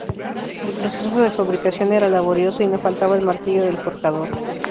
El proceso de fabricación era laborioso y no faltaba el martillo del forjador.